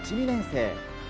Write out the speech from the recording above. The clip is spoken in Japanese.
１、２年生。